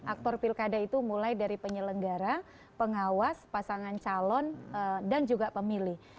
aktor pilkada itu mulai dari penyelenggara pengawas pasangan calon dan juga pemilih